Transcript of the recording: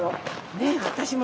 ねえ私も。